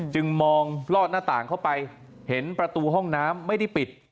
จึงมองลอดหน้าต่างเข้าไปเห็นประตูห้องน้ำไม่ได้ปิด